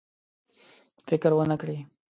فکر ونه کړي.